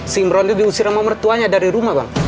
si imron itu diusir sama mertuanya dari rumah bang